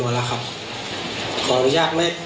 เอาไข้ต่อกันเราได้รูปรวงมาในสำนวนแล้วครับ